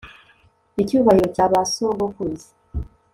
Icyubahiro cya ba sogokuruza